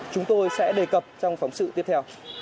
chúng tôi sẽ đề cập trong phóng sự tiếp theo